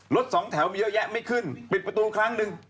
สองแถวมีเยอะแยะไม่ขึ้นปิดประตูครั้งหนึ่ง